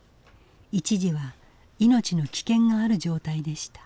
一時は命の危険がある状態でした。